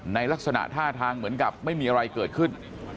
ลักษณะท่าทางเหมือนกับไม่มีอะไรเกิดขึ้น